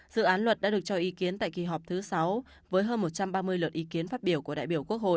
dự án luật đã được cho ý kiến tại kỳ họp thứ sáu với hơn một trăm ba mươi luật ý kiến phát biểu của đại biểu quốc hội